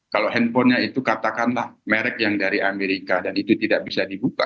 kalau handphonenya itu katakanlah merek yang dari amerika dan itu tidak bisa dibuka